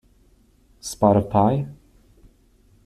Spot of pie?